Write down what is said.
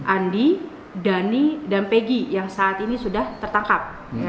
andi dhani dan pegi yang saat ini sudah tertangkap